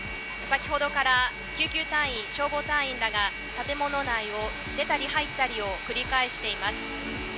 先ほどから救急隊員、消防隊員らが建物内を出たり入ったりを繰り返しています。